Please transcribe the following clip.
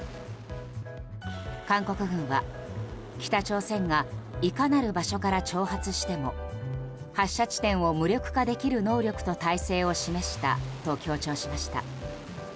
韓国軍は、北朝鮮がいかなる場所から挑発しても発射地点を無力化できる能力と体制を示したと強調しました。